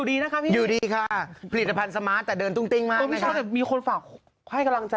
เดินอีกรอบไหมเฮ้ยเดินอีกรอบในหน้ากล้อง